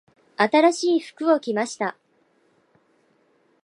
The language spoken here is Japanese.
新しい服を着ました。